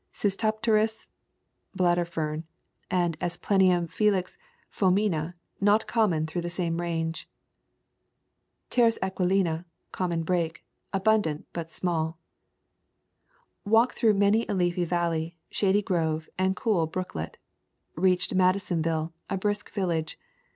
Cystopteris [Bladder Fern], and Asplen tum filix feemina not common through the same range. Pieris aguilina [Common Brake] abun dant, but small. Walked through many a leafy valley, shady grove, and cool brooklet. Reached Madison ville, a brisk village.